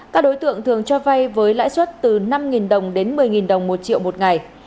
các đối tượng thường cho vay với lãi suất từ năm đồng đến một mươi đồng một triệu một ngày